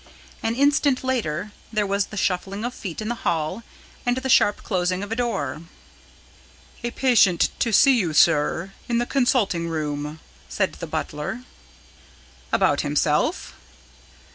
An instant later there was the shuffling of feet in the hall, and the sharp closing of a door. "A patient to see you, sir, in the consulting room," said the butler. "About himself?"